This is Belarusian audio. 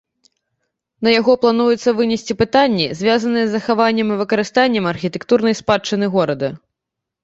На яго плануецца вынесці пытанні, звязаныя з захаваннем і выкарыстаннем архітэктурнай спадчыны горада.